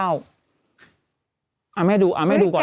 เอาให้ดูก่อนนี้แม่เล่า